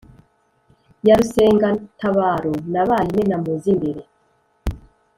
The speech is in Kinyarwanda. ya Rusengatabaro nabaye imena mu z’ imbere